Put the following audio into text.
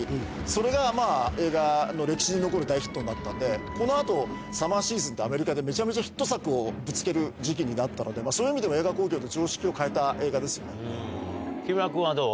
それがまあ、映画の歴史に残る大ヒットになったんで、このあと、サマーシーズンってアメリカでめちゃめちゃヒット作をぶつける時期になったので、そういう意味では、映画興行の常識を変えた映画木村君はどう？